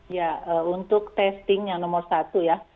ya untuk testing yang nomor satu ya